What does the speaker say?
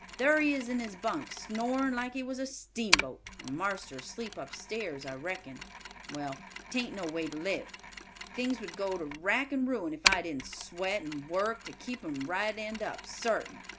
Thar he is in his bunk, snorin' like he was a steamboat; and marster's asleep upstairs, I reckon. Well, 'tain't no way to live. Things would go to rack and ruin if I didn't sweat and work to keep 'em right end up, sartin."